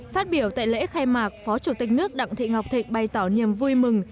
phát biểu tại lễ khai mạc phó chủ tịch nước đặng thị ngọc thịnh bày tỏ niềm vui mừng